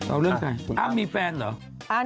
เอาเรื่องใครอามมีแฟนหรือ